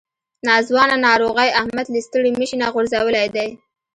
ناځوانه ناروغۍ احمد له ستړي مشي نه غورځولی دی.